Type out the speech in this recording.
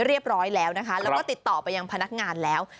เรียบร้อยแล้วนะคะแล้วก็ติดต่อไปยังพนักงานแล้ว